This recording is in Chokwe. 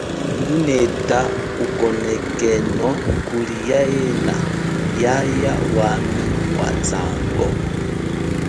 Nguneta ukonekeno kuli yena yaya wami wazango.